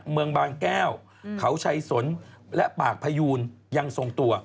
เมืองบางแก้วเขาชัยสนและปากพยูนยังทรงตัว